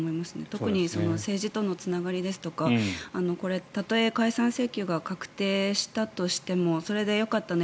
特に政治とのつながりですとかたとえ解散請求が確定したとしてもそれでよかったね